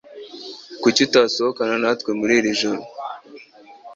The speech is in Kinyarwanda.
Kuki utasohokana natwe muri iri joro?